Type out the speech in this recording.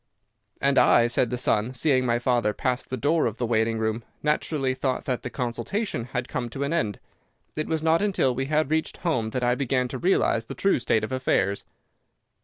"'And I,' said the son, 'seeing my father pass the door of the waiting room, naturally thought that the consultation had come to an end. It was not until we had reached home that I began to realize the true state of affairs.